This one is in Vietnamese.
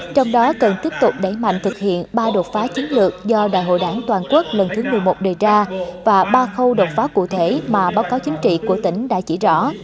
trong đó cần tiếp tục đẩy mạnh thực hiện ba đột phá chiến lược do đại hội đảng toàn quốc lần thứ một mươi một đề ra và ba khâu đột phá cụ thể mà báo cáo chính trị của tỉnh đã chỉ rõ